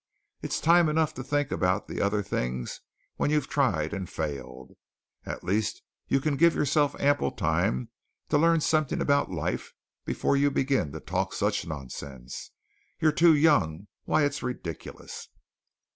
It's time enough to think about the other things when you've tried and failed. At least you can give yourself ample time to learn something about life before you begin to talk such nonsense. You're too young. Why it's ridiculous."